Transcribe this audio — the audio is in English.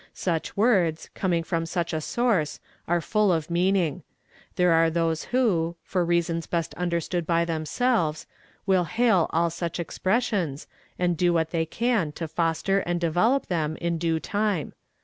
Such words, coming from such a souice, are full of meaning. There are those wlio, for reasons best uiulerstood by them selves, will hail all such expressions, and do what they can to foster and develop them in due time.